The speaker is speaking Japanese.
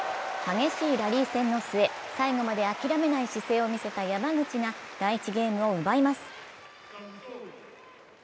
激しいラリー戦の末、最後まで諦めない姿勢を見せた山口が第１ゲームを奪います。